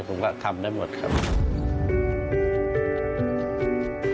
ผมก็ทำได้หมดครับ